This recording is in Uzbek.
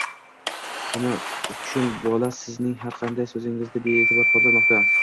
Nima uchun bola sizning har qanday so'zingizni bee'tibor qoldirmoqda.